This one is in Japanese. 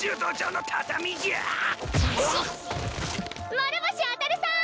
諸星あたるさん！